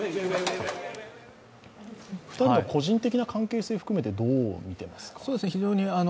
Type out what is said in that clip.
２人の個人的な関係性含めて、どう見ていますか？